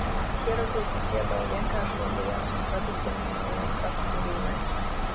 Hieroglifus iedala vienkāršotajās un tradicionālajās rakstu zīmēs.